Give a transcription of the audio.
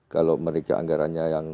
kalau mereka anggaranya yang